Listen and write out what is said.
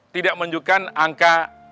tidak menunjukkan angka